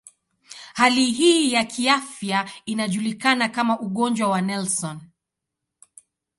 Hali hii ya kiafya inajulikana kama ugonjwa wa Nelson.